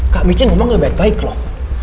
kak micin ngomongnya baik baik loh